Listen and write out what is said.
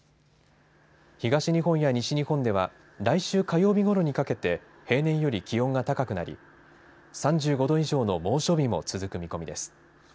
東日本や西日本では来週火曜日ごろにかけて平年より気温が高くなり３５度以上の猛暑日も続く見込みです。